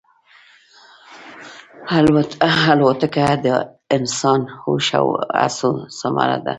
الوتکه د انساني هوش او هڅو ثمره ده.